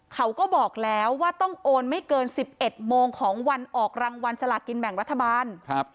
เขาก็บอกแล้วว่าต้องโอนไม่เกิน๑๑โมงของวันออกรางวัลสลากินแบ่งรัฐบาล